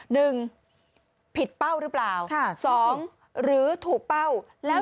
หนึ่งผิดเป้าหรือเปล่า